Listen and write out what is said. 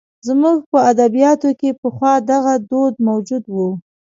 زموږ په ادبیاتو کې پخوا دغه دود موجود و.